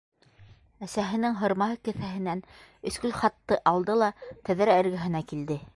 Әсәһенең һырмаһы кеҫәһенән өскөл хатты алды ла тәҙрә эргәһенә килде.